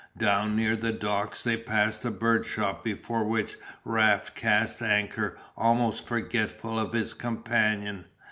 Down near the docks they passed a birdshop before which Raft cast anchor almost forgetful of his companion.